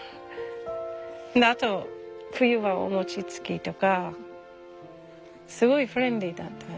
あと冬はお餅つきとかすごいフレンドリーだったね。